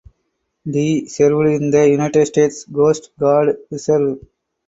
Dee served in the United States Coast Guard Reserve.